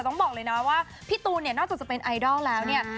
แต่ต้องบอกเลยนะว่าพี่ตูนน่าจะเป็นไอดอลแล้วเนี่ย